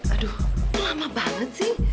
aduh lama banget sih